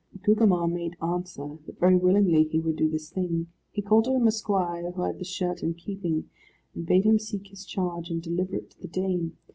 Gugemar made answer that very willingly he would do this thing. He called to him a squire who had the shirt in keeping, and bade him seek his charge, and deliver it to the dame.